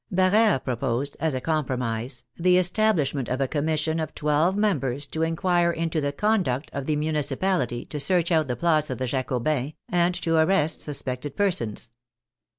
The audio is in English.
Barere proposed, as a compromise, the establishment of a commission of twelve members to in quire into the conduct of the municipality, to search out the plots of the Jacobins, and to arrest suspected per sons.